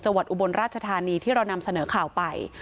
อุบลราชธานีที่เรานำเสนอข่าวไป